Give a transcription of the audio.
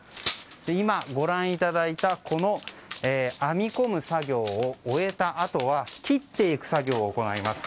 今、ご覧いただいたこの編み込む作業を終えたあとは切っていく作業を行います。